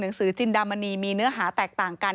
สือจินดามณีมีเนื้อหาแตกต่างกัน